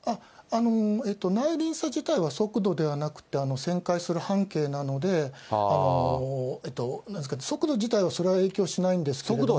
内輪差自体は速度ではなくって、旋回する半径なので、速度自体はそれは影響しないんですけれども。